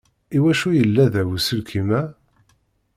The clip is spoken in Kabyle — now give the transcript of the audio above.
Iwacu yella da uselkim-a?